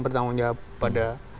bertanggung jawab pada